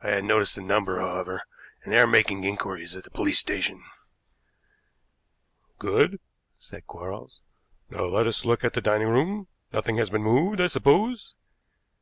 I had noticed the number, however, and they are making inquiries at the police station." "Good," said Quarles. "Now let us look at the dining room. Nothing has been moved, I suppose."